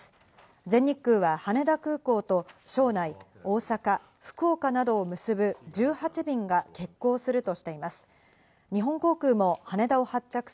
全日空は羽田空港と庄内、大阪、福岡などを結ぶ１８便が欠航するとしています。